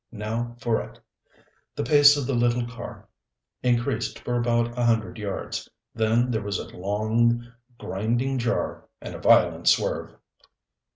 Now for it." The pace of the little car increased for about a hundred yards. Then there was a long grinding jar and a violent swerve.